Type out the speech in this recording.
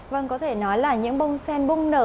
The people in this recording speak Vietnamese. vâng có thể nói là những bông sen bung nở